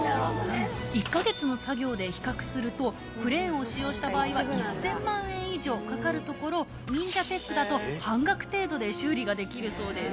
１か月の作業で比較するとクレーンを使用した場合は１０００万円以上かかるところニンジャ・テックだと半額程度で修理ができるそうです。